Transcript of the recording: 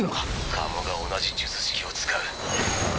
加茂が同じ術式を使う。